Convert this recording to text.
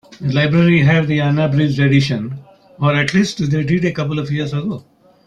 The library have the unabridged edition, or at least they did a couple of years ago.